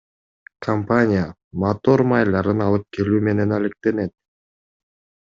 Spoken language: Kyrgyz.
Компания мотор майларын алып келүү менен алектенет.